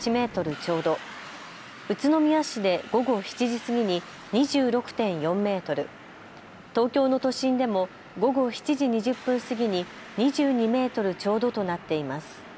ちょうど、宇都宮市で午後７時過ぎに２６．４メートル、東京の都心でも午後７時２０分過ぎに２２メートルちょうどとなっています。